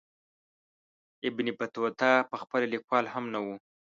ابن بطوطه پخپله لیکوال هم نه وو.